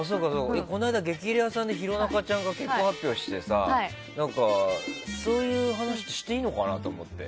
この間「激レアさん」で弘中ちゃんが結婚発表しててそういう話していいのかなと思って。